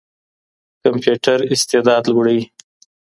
کمپيوټر استعداد لوړوي.